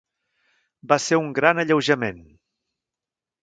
Va ser un gran alleujament